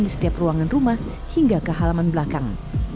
di setiap ruangan rumah hingga ke halaman belakang